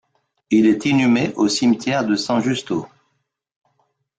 Il est inhumé au cimetière de San Justo.